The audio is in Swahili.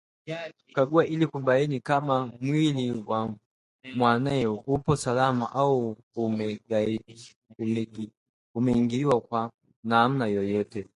kumkagua ili kubaini kama mwili wa mwanaye upo salama au umeingiliwa kwa namna yeyote